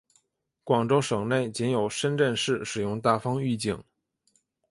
广东省内仅有深圳市使用大风预警。